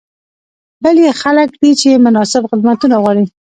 بل یې خلک دي چې مناسب خدمتونه غواړي.